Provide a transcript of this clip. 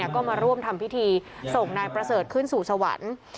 ก็มาร่วมทำพิธีส่งนายประเสริฐขึ้นสู่สวรรค์